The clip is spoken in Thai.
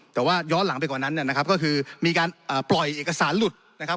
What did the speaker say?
แต่ว่าย้อนหลังไปกว่านั้นเนี่ยนะครับก็คือมีการปล่อยเอกสารหลุดนะครับ